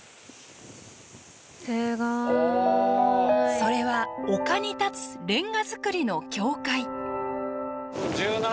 それは丘に立つレンガ造りの教会。